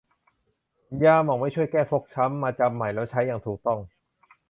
ยาหม่องไม่ช่วยแก้ฟกช้ำ มาจำใหม่และใช้อย่างถูกต้อง